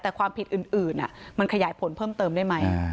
แต่ความผิดอื่นมันขยายผลเพิ่มเติมได้ไหม